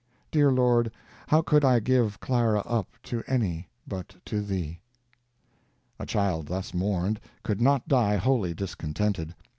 Dear Lord, how could I give Clara up To any but to Thee? A child thus mourned could not die wholly discontented.